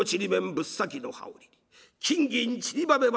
ぶっ裂きの羽織金銀ちりばめました